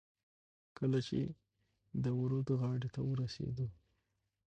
کله چې د ورد غاړې ته ورسېدو.